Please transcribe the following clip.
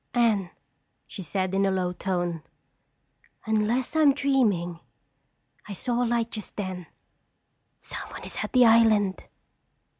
"Anne," she said in a low tone, "unless I'm dreaming, I saw a light just then. Someone is at the island."